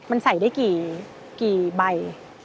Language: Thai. มันใส่ได้กี่ใบ